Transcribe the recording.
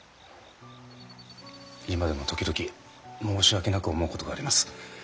今でも時々申し訳なく思うことがあります。